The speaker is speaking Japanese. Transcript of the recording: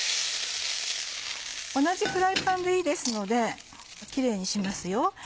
同じフライパンでいいですのでキレイにしますよ。